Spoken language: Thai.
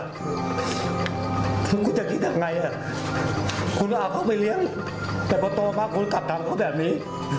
คือคุณจะคิดยังไงคุณก็เอาเขาไปเลี้ยงแต่พอโตมาคุณกลับทำเขาแบบนี้